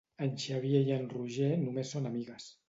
En Xavier i en Roger només són amigues.